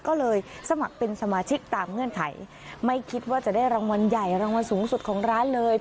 ก็เลยสมัครเป็นสมาชิกตามเงื่อนไขไม่คิดว่าจะได้รางวัลใหญ่รางวัลสูงสุดของร้านเลย